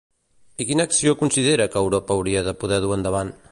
I quina acció considera que Europa hauria de poder dur endavant?